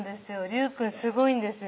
隆くんすごいんですよ